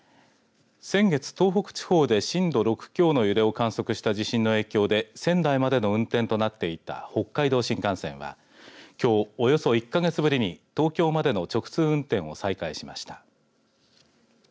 先月、東北地方で震度６強の揺れを観測した地震の影響で仙台までの運転となっていた北海道新幹線はきょうおよそ１か月ぶりに東京までの直通運転を再開しました。